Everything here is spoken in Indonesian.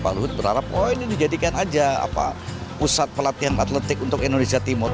pak luhut berharap oh ini dijadikan aja pusat pelatihan atletik untuk indonesia timur